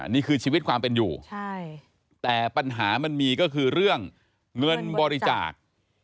นี่คือชีวิตความเป็นอยู่ใช่แต่ปัญหามันมีก็คือเรื่องเงินบริจาค